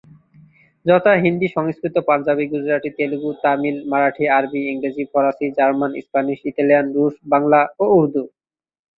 যথা হিন্দি, সংস্কৃত, পাঞ্জাবি, গুজরাটি, তেলুগু, তামিল, মারাঠি, আরবি, ইংরেজি, ফরাসি, জার্মান, স্প্যানিশ, ইতালিয়ান, রুশ, বাংলা ও উর্দু।